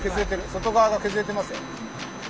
外側が削れてますよ。